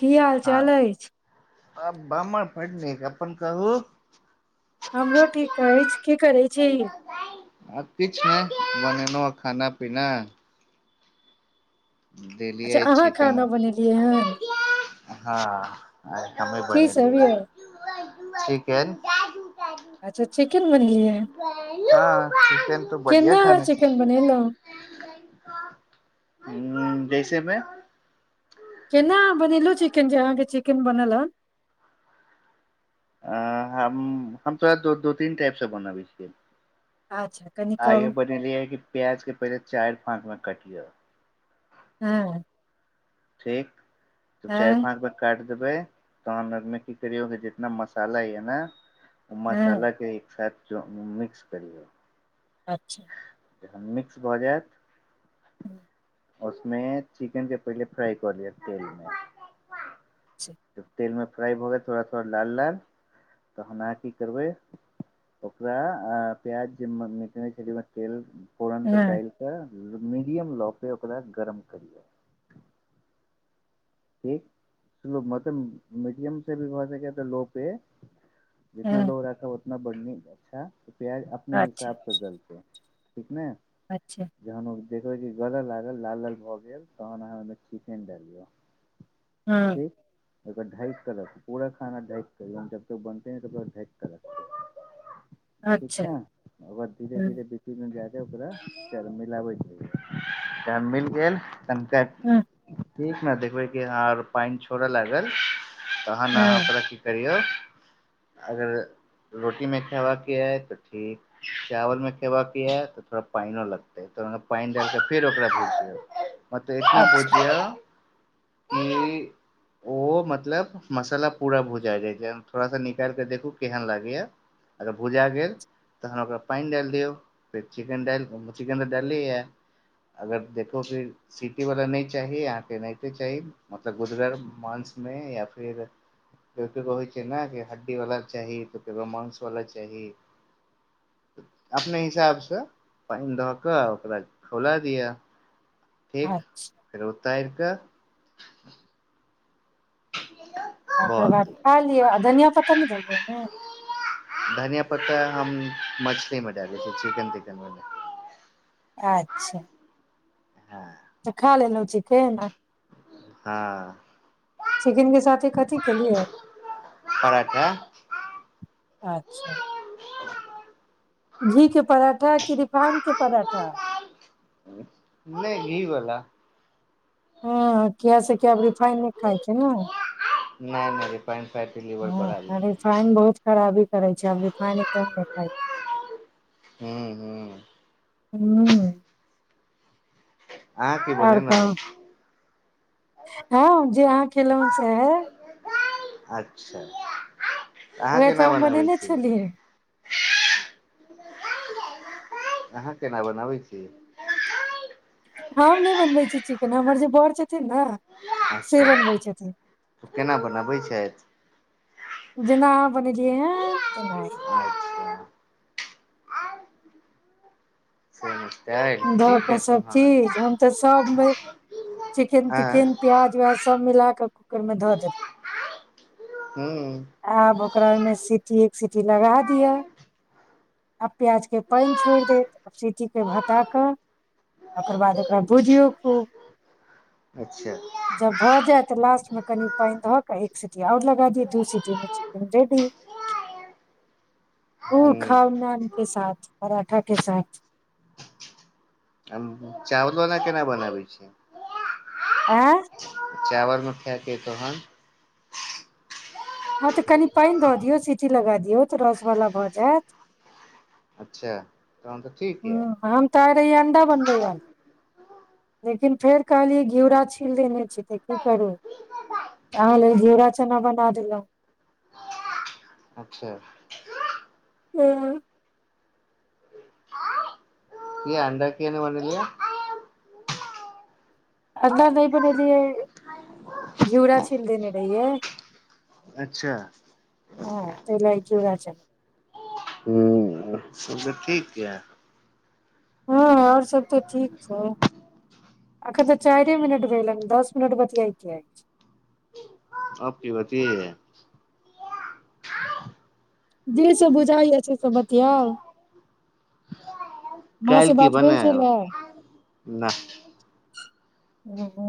की हाल चाल हँ अछि आ ब्म फडनेक अपनन कहू हमरो ठीक कहै की करै छी आ किछु नहि बनेलहु आ खाना पीना अच्छा देलियै अहाँ चिकन खाना बनेलियै हन हँ अ कमी की बनल सब यौ चिकेन अच्छा चिकेन बनेलियै हँ चिकेन तो बढ़िया केना अहाँ खाना छै चिकेन बनेलहुँ ह जैसेमे केना बनेलहुँ चिकेन जे अहाँके चिकेन बनल ह अ हम हम तो द तीन टाइपसँ बना बिस्कट अच्छा कनि आगे कहू बनेलिय ह कि प्याज के पहिले चाय फाँकमे कटि जा हँ ठीक त चारि हँ फाँक मे काट बै तह नदमे की करियौ जितना मसाला है ने उ्म हँ सालके एक साथ मिक्स कर ल अच्छा जखन मिक्स भऽ जायत अच्छा उसमे चिकन के पहिले फ्राई कर लिया तेल मे त तेलमे फ्राइ भऽ गेल थोड़ा थोड़ा लाल लाल तऽ हम अहाँ की करबै ओकरा प्याज जेट खेदमे तेल फोरन सब हँ डालििकऽ मीडियम लो परर ओकरा गर्म करिय एकठो मतलब मीडियम से भी भ लो पे जितना हँ लोग रहत ओत न बढ़नी अ्छा प्याज अपने अच्छा हिसाब से जलते ठीक ने अच्छा जहान देखो क गदल लागल लाल लाल भए गेल तहन अह ओ चिकेन द दियौ हँ रा ढक र पूरा खाना ढक जब त बनते त ढक रत अच्छा ठीक ने ओ बाद धीरे हँ धीरे बीची मे जा ओकरा सर मिलाबै छै तब मिल गेल संक हँ ठीक ने देखबै र पानि छोड़ऽ लागल तहन हँ अहाँ ओकरा की करियौ अगर रोटी मे खयबाका के है तऽ ठीक चावल मे खेबाके है तऽ थोड़ा पानिो लगतै त पानि डाल कऽ फेर ओकरा भेज दियौ मत एकष्ण अच्छा पूज्य कि ओ मतलब मसाला पूरा भुजा जाइ छै थोड़ा सा निकाल कऽ देखू केहन लागैए अगर भुजा गेल तहन ओकरा पानि डालि दियौ फेर चिकेन डालि चिकेन तऽ डालैया अगर देखू कि सीटीवला नहि चाही अहाँके एनाहिते चाही मतलब गुदरल मांस मे या फिर के केकरो होइ छै ने कि हड्डी वाला चाही त केकरो मास वाला चाही अपने हिसाबसँ पानि दह कऽ ओकरा खौला दिअ ठीक अच्छा फेर तयरके ओकर बाद गेलै खा लियअ आ धनिया पत्ता ने देलबमे धनिया पत्ता हम मछली मे डाले छ चिकन तिकन म अच्छा हँ त खा लेना उचिते ने हँ चिकनके साथे कथी केलियै पराठा अच्छा घी के पराठा कि रिफाइन के पराठा नहि घी बला हँ क से कि आब रिफाइन नहि खाायके ने नहि नहि स्पाइन फाइट के लीवर बढ़ा जेइ ह छै रिफाइन बहुत खराबी करै छै आब रूफानी तब नहि खाइ छै हू हू हू अह की बने ने कहु हँ जे अहाँ खेलहु से हे अच्छा अहाँ उएह केना तऽ हम बनाबै बनेने छी छलियै अहाँ केना बनाबै छीिय हम नहि बनबै छी चिकेन हमर जे बड़ छथिन ने से अच्छा बनबै छथिन तऽ केना बनबै छथि जेना बनेलियै ह अच्छा सेमेस्टर दऽ ठीक कऽ है तोहन सभचीज हम तऽ सभमे चिकेन आँ तिकेन प्याज उ्याज सभ मिला कऽ ओकरमे धऽ देतै हूँ आब ओकरा ओहिमे सी सीटी एक सीटी लगा दिअ आब प्याज के पानि छोड़ देत सीटी के भक पटा कऽ ओकर बाद ओकरा भुजियौ खूब अच्छा जब भऽ जायत लास्ट मे कनि पानि ध क एक सीटी आओर लगा दिय दू सीटी मे चिकेन रेडी ओ खाउ हूँ नान के साथ पराठा के साथ चावलना केना बनाबै छै आँ चावलमे खाकेऽ अय तोहन हँ तऽ कनि पानि धऽ दियौ सीटी लगा दियौ तऽ रसवला भऽ जायत अच्छा तहन तऽ ठीक ह यऽ आ तार ई अणडा बन लेकिन फेर कहलियै घिउरा छीिले नहि छी तऽ की करू अहाँ लेल घिउरा चना बना देलहु अच्छा ह क अन्द क नहि बनलियए अलना नहि बनेेली है घिराा छील देने रहहि है अच्छा जोरा चल ह सब तऽ ठीक य हँ आओर सब तऽ ठीक छैौ एखन तऽ चारिए मिनट भेलन दस मिनट बतियाके आ की बात है जे सब बुझाइय से सब बतियाौ कालल की बात बन भेल छलै न ओ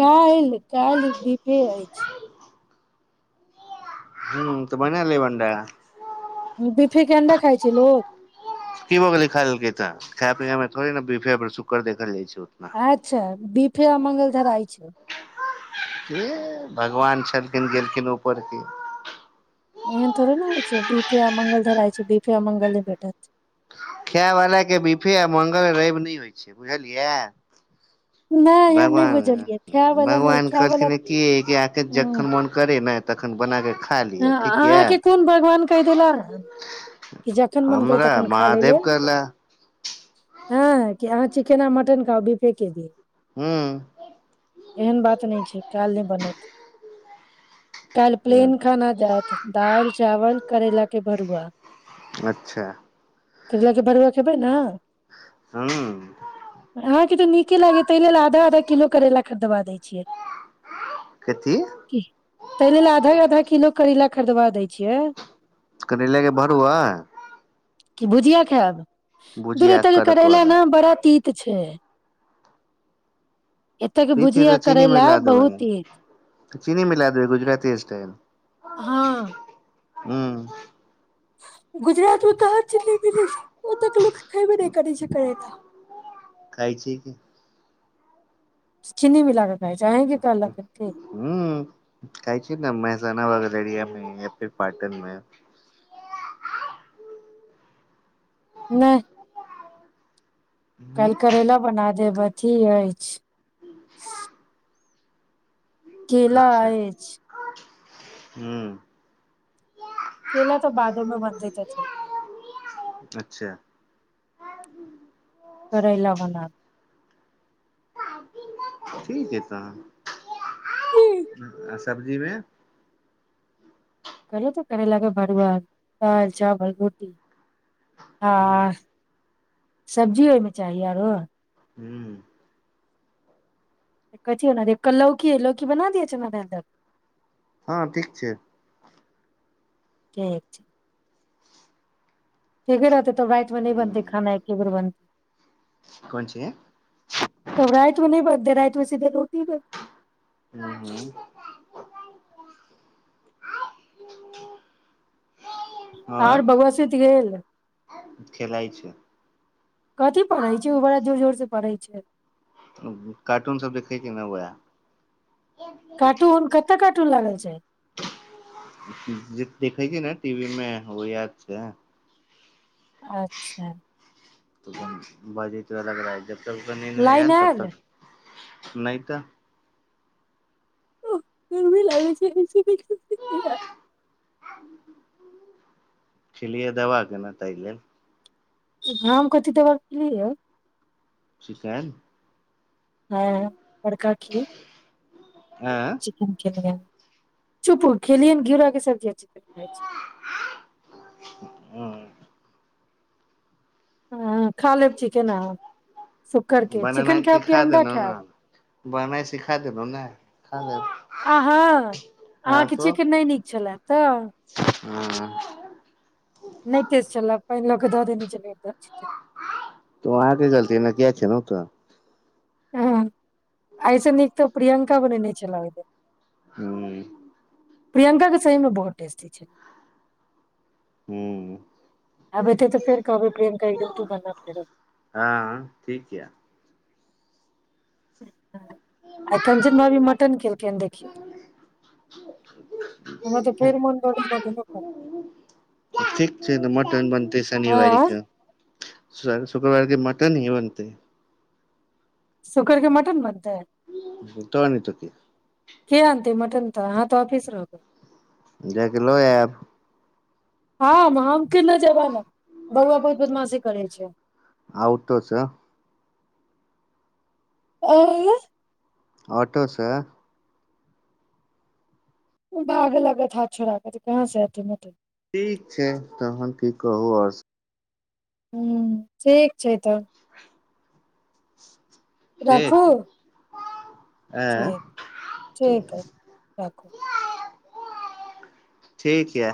काल्हि काल्हि दीपे अछि ह तऽ बन लेबनडा बिफी के अंडा खा छै लोकोग की हो गेलै खाकै तऽ खाय पिय मे थड़े ने सुड़ देखल जाइ छै उतना अच्छा दीप फेर मंगल धराइ छै ह भगवान छलखिन गेलखिन ऊपर क एहन थोड़े ने होइ छै बीफेा मंगल धराय छै बीफे मंगल नहि भेटत खाय वलााक के बिफे आ मंगल रवि नहि होइ छै बुझलियै नहि हम नहि भगवान बुझलियै खाय वाला नहि भगवान खाय वाला कहलखिन कि आके जखन मन करे ने तखन बना कऽा ह अहाँके कोन भगवान कहि देला हन कि जखन मन करै हमरा तखन खा लेल महादेव लेल कहला हँ चिकेन आ मटन खाउ बीफे के जी हू एहन बात नहि छै काल नहि बनत कल प्लेन जात द चावल करैला के भरुआ अच्छा करेला के भरुआ खेबै ने हूँ अहाँके तऽ नीके लागे ताहि लेल आधा आधा किलो करेला खरीदबा दै छियै कथी कि तै लेल आधा आधा करेला खरीदबा दै छियै करेलाक भरूवा कि भुजिया खैब दुरे तक कड़क करैला वाला न बड़ा तीत छै एतेक के पीछे भुजिया तऽ चीनी करैला मिला देबै बहुत हैत चीनी मिलाय देबै गुजराती स्टाइल हँ ह्म गुजरात मे कहाँ चिनी मिली ओतक लोक खयबे नहि करै छै करैला खाय छै की चीनी मिला कऽ कहै छै अहींके कहलक की ह कहै छै ने महिसाना वला रेडिया मे या फेर पाटनमे नहि हूं कल करेला बना देबन ठीक अछि केेला अछि ह्म केला तऽ बादोमे बनतै तऽ अच्छा करैला बना ठीक है तहन कहलौ आ सब्जीमे कहलियौ तऽ करैला के भरूआ आ दाल चावल रोटी हूं हँ सब्जी ओहिमे चाही आरो हू कथी बना दिय लौकी लौकी बना दिय छै ने दाल दऽ कऽ हँ ठीक छै ठीक छै ठीके रहतै तब राति में नहि बनते हूं खाना एके बेर बनत कोन छै तब राति मे नहि बनतै त रातमेै सीधे रोटी ब हू हू आओर और बोआ सुइत गेल खेलाइ छै कथी पढ़ै छै ओ बड़ा जोर जोर से परहै छै कार्टूनसभ देखैके न उएह कार्टून कते कार्टून लागल छै जे देखै छै न टीवी मे ओ याद छै अच्छा त बाज त लग [unintelligible] जब तक निंद नइ लाइन एल तब आयल तक नहि तऽ ओ गरमी लागै छै खिलियै दवा के न तै लेल हम कथि दबा क खेलियै यो चिकेन हँ बड़का खीर आँ चिकन खेलियै चुपू खेलियनि घिरा क सब्जी आ चिकेन खाइ छी ह ह खा लेब चिकन आहाँ शुकर के चिकेन खैब कि अंडा खैब बननाइ सिखा देलहुँ न आहँ हँ अहाँके तो चिकेन नहि नीक छलै तऽ ह नहि तस चल पहि लके दऽ देने चल त आहाँ क गलतीमे किया छै ने तऽ ह एहिसँ नीक तऽ प्रियंका बनेने छलै आहिदिन हुँ प्रियंका के सही मे बहुत टेस्टी छल हुँ आब एते तऽ फेर कहबै प्रियंका तू बना फेरो हँ ठीक य ह आ कञ्चन भाभी मटन केलखिन हन देखियौ हमरा तऽ फेर मोन भ मट ठीक छै तऽ मटन बनतै ह शुक्रवारके मटन ह बनतै सुकररके मटन बनतै त नइ तऽ की क आतै मटन तऽ हहाँ तऽऑफिस रहबै जय क ल एव हँम के न जब ने बौआ बदमाशी करै छै आउटो सेँ ओ ऑटोसँ भाग लागत हाथ छोरा के त कहाँ से एत ठीक छै तहन की कहू आओर ह ठीक छै तऽ ठीक राखू ठी आँ ठीक ह रखू ठीक यै